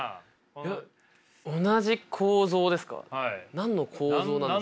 何の構造ですか？